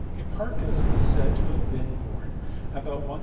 Hipparchus is said to have been born about 160B.